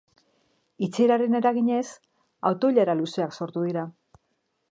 Itxieraren eraginez, auto-ilara luzeak sortu dira.